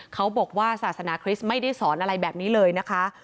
เขาบอกว่าศาสนาคริสต์ไม่ได้สอนอะไรแบบนี้เลยนะคะ